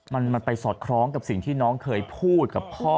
มันไปสอดคล้องกับสิ่งที่น้องเคยพูดกับพ่อ